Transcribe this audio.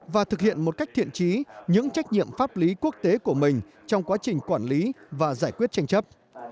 và thực hiện một cách thiện trí những trách nhiệm pháp lý quốc tế của mình trong quá trình quản lý và giải quyết tranh chấp